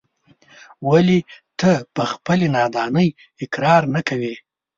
ولې ته په خپلې نادانۍ اقرار نه کوې.